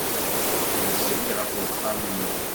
Yezri ɣef uxxam-nni.